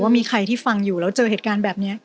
มีใครที่ฟังอยู่แล้วเจอเหตุการณ์แบบนี้